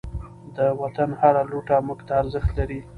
د وطن هر لوټه موږ ته ارزښت لري.